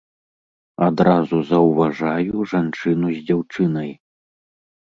Адразу заўважаю жанчыну з дзяўчынай.